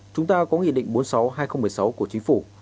chúng ta có nghị định bốn mươi sáu hai nghìn một mươi sáu của chính phủ